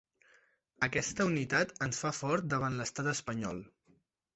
Aquesta unitat ens fa forts davant l’estat espanyol.